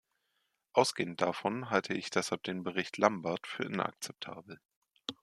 Ausgehend davon halte ich deshalb den Bericht Lambert für inakzeptabel.